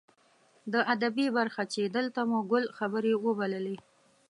دا ادبي برخه چې دلته مو ګل خبرې وبللې.